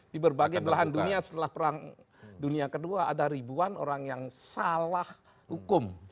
di berbagai belahan dunia setelah perang dunia kedua ada ribuan orang yang salah hukum